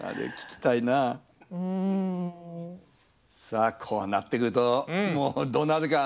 さあこうなってくるともうどうなるか。